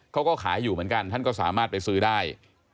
เขาก็ขายอยู่เหมือนกันท่านก็สามารถไปซื้อได้